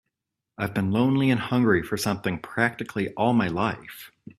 I've been lonely and hungry for something practically all my life.